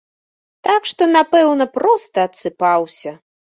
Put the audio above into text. Так што напэўна, проста адсыпаўся.